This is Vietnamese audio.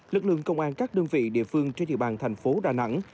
lực lượng công an các đơn vị địa phương trên địa bàn thành phố đà nẵng